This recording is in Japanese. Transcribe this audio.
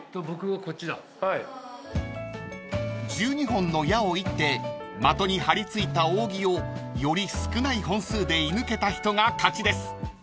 ［１２本の矢を射って的に張り付いた扇をより少ない本数で射抜けた人が勝ちです］